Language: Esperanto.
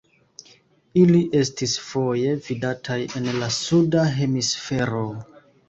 Ili estis foje vidataj en la suda hemisfero.